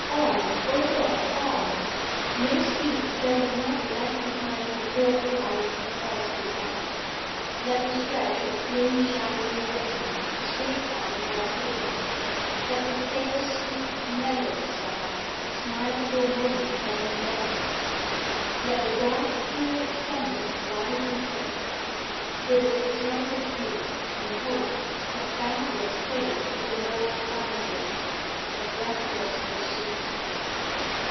On, Oberon, on! No speed that would not lag behind the fore flight of a heart's desire. Let the stretch of green shadowing woodland sweep by like a dream; let the fair, sweet meadow sides smile for a moment and vanish; let the dark hill summits rise and sink. It is the time of youth and hope, of boundless faith in the world's promises, of breathless pursuit.